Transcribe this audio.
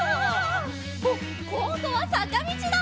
あっこんどはさかみちだ！